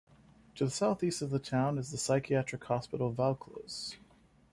To the south-east of the town is the psychiatric hospital "Vaucluse".